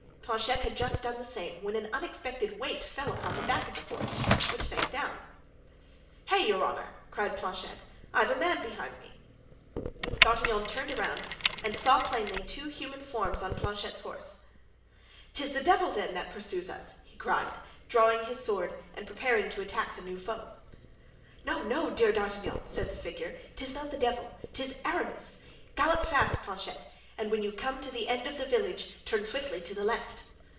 Planchet had just done the same when an unexpected weight fell upon the back of the horse, which sank down. "Hey! your honor!" cried Planchet, "I've a man behind me." D'Artagnan turned around and plainly saw two human forms on Planchet's horse. "'Tis then the devil that pursues!" he cried; drawing his sword and preparing to attack the new foe. "No, no, dear D'Artagnan," said the figure, "'tis not the devil, 'tis Aramis; gallop fast, Planchet, and when you come to the end of the village turn swiftly to the left."